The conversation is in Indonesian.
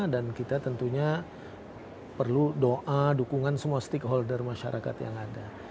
dan kita tentunya perlu doa dukungan semua stakeholder masyarakat yang ada